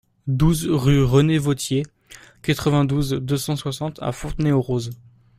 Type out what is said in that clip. douze rue René Vauthier, quatre-vingt-douze, deux cent soixante à Fontenay-aux-Roses